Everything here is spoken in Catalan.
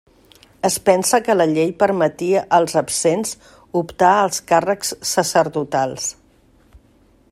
Es pensa que la llei permetia als absents optar als càrrecs sacerdotals.